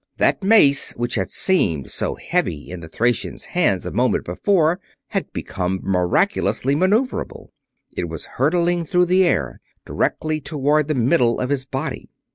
That mace, which had seemed so heavy in the Thracian's hands a moment before, had become miraculously maneuverable it was hurtling through the air directly toward the middle of his body!